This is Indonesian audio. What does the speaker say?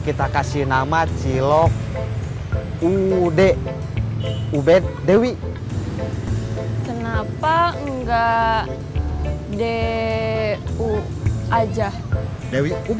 kita kasih nama cilok ud ub dewi kenapa enggak de u aja dewi ub